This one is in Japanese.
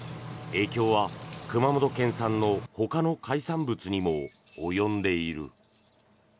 影響は熊本県産のほかの海産物にも及んでいる。